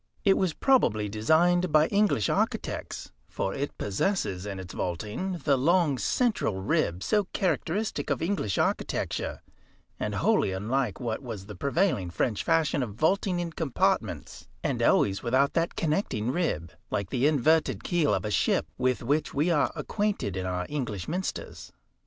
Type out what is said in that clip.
It was probably designed by English architects, for it possesses, in its vaulting, the long central rib so characteristic of English architecture, and wholly unlike what was the prevailing French fashion of vaulting in compartments, and always without that connecting rib, like the inverted keel of a ship, with which we are acquainted in our English minsters.